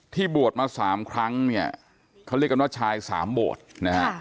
ที่บวชมา๓ครั้งเขาเรียกว่าชาย๓บวช